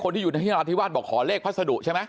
ที่อยู่ในที่นราธิวาสบอกขอเลขพัสดุใช่ไหม